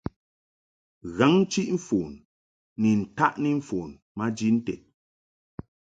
Ghǎŋ-chiʼ-mfon ni ntaʼni mfon maji nted.